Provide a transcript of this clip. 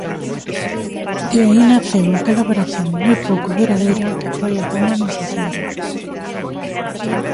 De aí naceu aquela operación moi pouco duradeira que foi a Pomba mensaxeira.